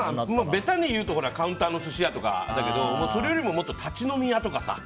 べたにいうとカウンターの寿司屋とかだけど、それよりも立ち飲み屋とかさ